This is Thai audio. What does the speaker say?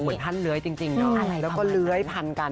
เหมือนท่านเล้ยจริงแล้วก็เล้ยพันกัน